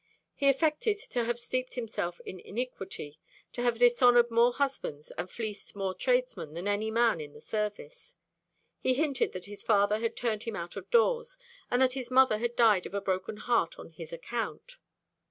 He affected to have steeped himself in iniquity, to have dishonoured more husbands and fleeced more tradesmen than any man in the service. He hinted that his father had turned him out of doors, and that his mother had died of a broken heart on his account.